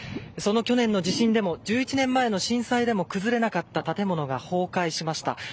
その去年の地震でも１１年前の震災でも崩れなかった建物が崩壊しました。